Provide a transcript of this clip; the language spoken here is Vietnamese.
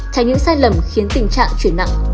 thành những sai lầm khiến tình trạng chuyển nặng